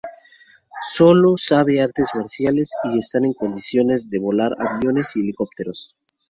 Solo sabe artes marciales y está en condiciones de volar aviones y helicópteros.